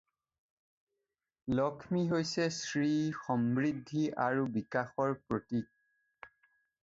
লক্ষ্মী হৈছে শ্ৰী, সমৃদ্ধি আৰু বিকাশৰ প্ৰতীক।